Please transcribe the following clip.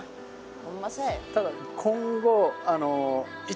ホンマそうや。